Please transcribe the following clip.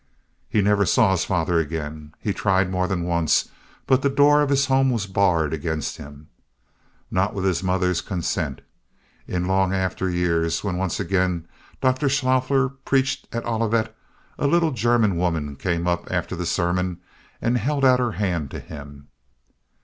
He never saw his father again. He tried more than once, but the door of his home was barred against him. Not with his mother's consent; in long after years, when once again Dr. Schauffler preached at Olivet, a little German woman came up after the sermon and held out her hand to him.